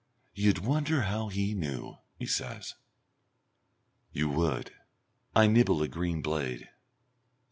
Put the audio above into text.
"You'd wonder how he knew," he says. "You would." I nibble a green blade.